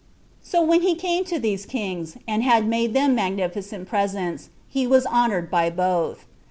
So when he came to these kings, and had made them magnificent presents, he was honored by them both.